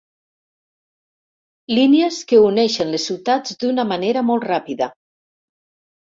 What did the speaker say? Línies que uneixen les ciutats d'una manera molt ràpida.